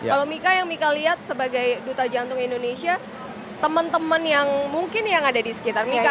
kalau mika yang mika lihat sebagai duta jantung indonesia teman teman yang mungkin yang ada di sekitar mika